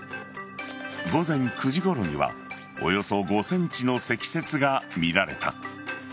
午前９時ごろにはおよそ５ｃｍの積雪が見られた。